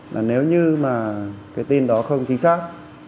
là nếu như mà cái tin đó không chính xác